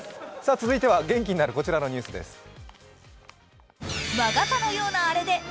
続いては元気になるこちらのニュースです。